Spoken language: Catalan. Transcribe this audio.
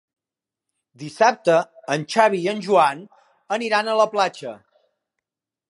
Dissabte en Xavi i en Joan aniran a la platja.